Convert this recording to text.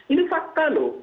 ini fakta loh